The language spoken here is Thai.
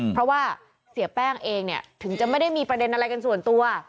เพราะว่าเสียแป้งเองเนี่ยถึงจะไม่ได้มีประเด็นอะไรกันส่วนตัว